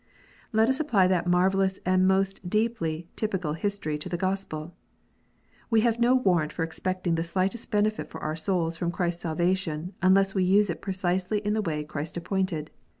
Let us apply that marvellous and most deeply typical history to the Gospel. We have no warrant for expecting the slightest benefit for our souls from Christ s salvation, unless we use it precisely in the way that Christ appointed.